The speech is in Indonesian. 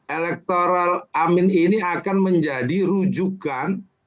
elektoral amin ini akan menjadi rujukan